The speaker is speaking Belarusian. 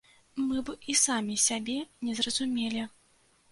Мы б і самі сябе не зразумелі.